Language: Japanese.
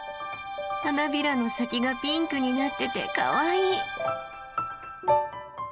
花びらの先がピンクになっててかわいい。